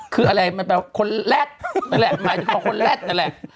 คืออะไรมันแปลว่าคนแรดแหละหมายถึงคนแรดแหละ